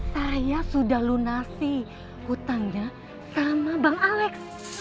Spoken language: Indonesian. saya sudah lunasi hutangnya sama bang alex